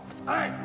はい！